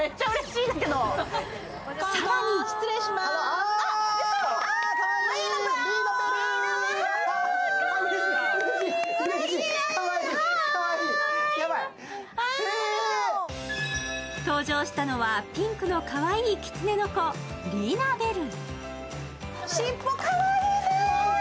更に登場したのは、ピンクのかわいいきつねの子、リーナ・ベル。